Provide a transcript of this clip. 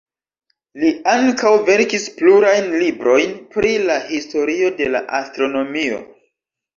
Li ankaŭ verkis plurajn librojn pri la historio de la astronomio.